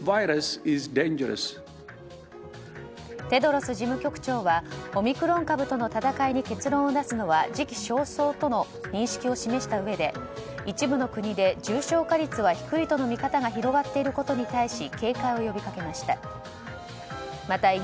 テドロス事務局長はオミクロン株との闘いに結論を出すのは時期尚早との認識を示したうえで一部の国で重症化率は低いとの見方が広がっていることに対し警戒を呼びかけました。